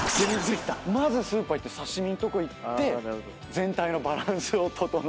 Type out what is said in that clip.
まずスーパー行って刺し身んとこ行って全体のバランスを整えるって頭が。